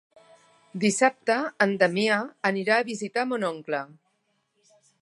Dissabte en Damià anirà a visitar mon oncle.